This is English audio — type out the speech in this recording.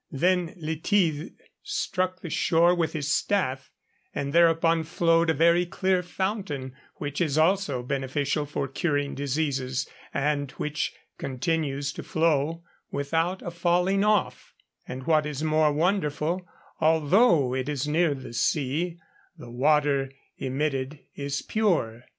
Then Illtyd struck the shore with his staff, 'and thereupon flowed a very clear fountain, which is also beneficial for curing diseases, and which continues to flow without a falling off; and what is more wonderful, although it is near the sea, the water emitted is pure.'